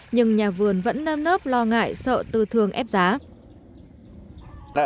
nhưng nhà vườn vẫn nơm nớp lo ngại sợ tư thương ép giá